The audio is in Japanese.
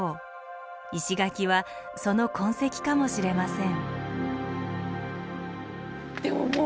石垣はその痕跡かもしれません。